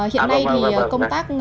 hiện nay thì công tác